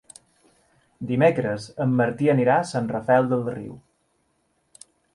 Dimecres en Martí anirà a Sant Rafel del Riu.